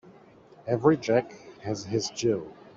Every Jack has his Jill